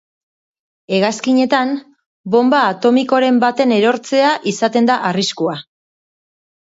Hegazkinetan, bonba atomikoren baten erortzea izaten da arriskua.